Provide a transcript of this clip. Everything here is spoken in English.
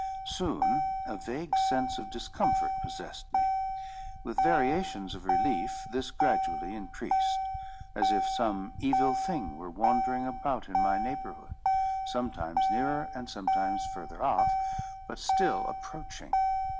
Soon a vague sense of discomfort possessed me. With variations of relief, this gradually increased; as if some evil thing were wandering about in my neighbourhood, sometimes nearer and sometimes further off, but still approaching.